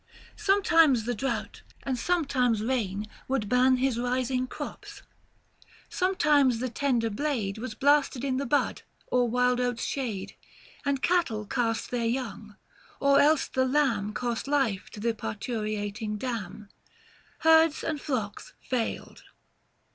Sometimes the drought, and sometimes rain would ban His rising crops ; sometimes the tender blade 740 Was blasted in the bud or wild oats' shade ; And cattle cast their young, or else the lamb Cost life to the parturiating dam ; Herds and flocks failed.